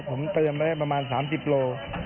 ผมเตรียมไว้ประมาณ๓๐โล